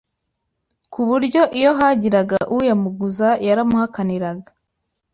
ku buryo iyo hagiraga uyamuguza yaramuhakaniraga